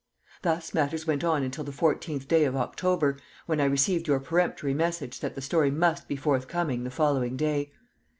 Thus matters went on until the 14th day of October, when I received your peremptory message that the story must be forthcoming the following day.